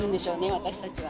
私たちは。